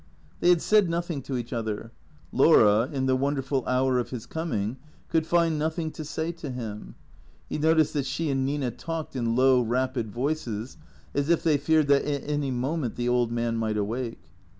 They had said nothing to each other. Laura, in the won derful hour of his coming, could find nothing to say to him. He noticed that she and Nina talked in low, rapid voices, as if they feared that at any moment the old man might awake.